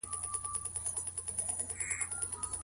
د قسم له حقوقو څخه تنازل څنګه کيږي؟